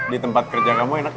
di tempat kerja kamu enak